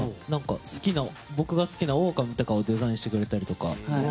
僕が好きなオオカミとかをデザインしてもらって。